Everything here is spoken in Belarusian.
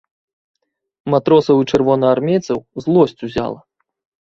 Матросаў і чырвонаармейцаў злосць узяла.